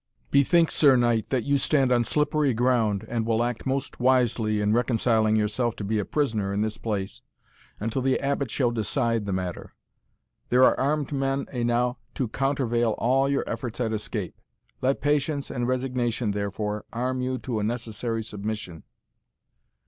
Bethink, Sir Knight, that you stand on slippery ground, and will act most wisely in reconciling yourself to be a prisoner in this place until the Abbot shall decide the matter. There are armed men enow to countervail all your efforts at escape. Let patience and resignation, therefore, arm you to a necessary submission."